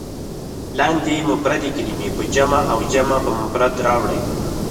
لاندې مفردې کلمې په جمع او جمع په مفرد راوړئ.